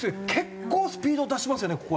結構スピード出しますよね